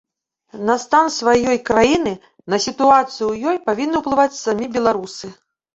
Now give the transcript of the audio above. На стан сваёй краіны, на сітуацыю ў ёй павінны ўплываць самі беларусы.